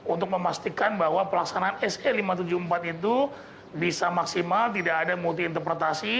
untuk memastikan bahwa pelaksanaan se lima ratus tujuh puluh empat itu bisa maksimal tidak ada multi interpretasi